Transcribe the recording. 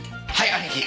兄貴。